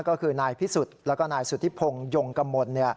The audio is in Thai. ก็คือนายพิสุทธิ์แล้วก็นายสุธิพงศ์ยงกมล